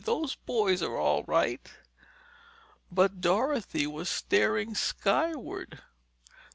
Those boys are all right." But Dorothy was staring skyward.